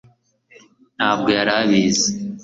ntabwo yari abizi